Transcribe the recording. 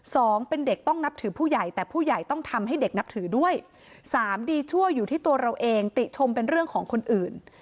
สองเป็นเด็กต้องนับถือผู้ใหญ่แต่ผู้ใหญ่ต้องทำให้เด็กนับถือด้วยสามดีชั่วอยู่ที่ตัวเราเองติชมเป็นเรื่องของคนอื่น